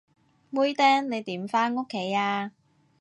妹釘，你點返屋企啊？